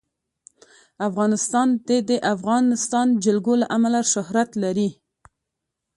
افغانستان د د افغانستان جلکو له امله شهرت لري.